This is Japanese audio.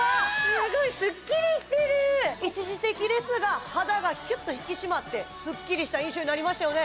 すごいスッキリしてる一時的ですが肌がキュッと引き締まってスッキリした印象になりましたよね